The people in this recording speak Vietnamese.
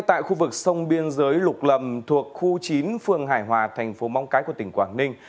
tại khu vực sông biên giới lục lầm thuộc khu chín phương hải hòa tp mong cái của tỉnh quảng ninh